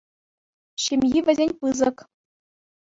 Ҫемйи вӗсен пысӑк.